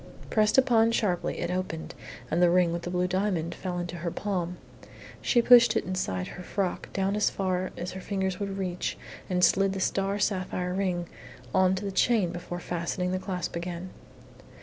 Pressed upon sharply, it opened, and the ring with the blue diamond fell into her palm. She pushed it inside her frock as far down as her fingers would reach and slid the star sapphire ring on to the chain before fastening the clasp again.